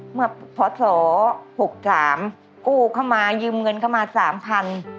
เมื่อพศหกสามกู้เข้ามายืมเงินเข้ามาสามพัน